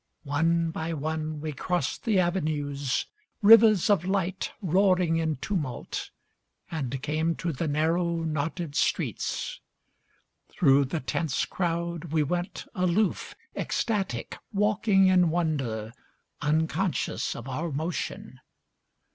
One by one we crossed the avenues, Rivers of light, roaring in tumult, And came to the narrow, knotted streets. Thru the tense crowd We went aloof, ecstatic, walking in wonder, Unconscious of our motion.